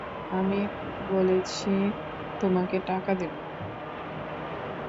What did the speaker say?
আমি বলেছি তোমাকে টাকা দেব।